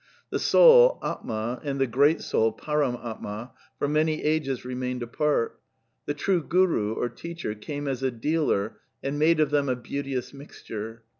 * The soul (atma) and the Great Soul (Param Atma) for many ages re mained apart; the true Quru (teacher) came as a dealer (dallah, middleman) and made of them a beauteous mixture.'